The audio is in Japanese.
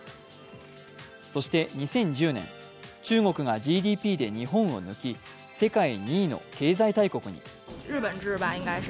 そして２０１０年、中国がＧＤＰで日本を抜き世界２位の経済大国に。